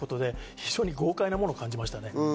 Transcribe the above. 豪快なものを感じました。